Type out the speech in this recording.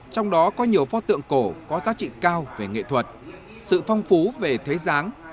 trong đó có nhiều pho tượng cổ có giá trị cao về nghệ thuật sự phong phú về thế giáng